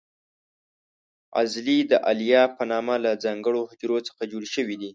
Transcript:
عضلې د الیاف په نامه له ځانګړو حجرو څخه جوړې شوې دي.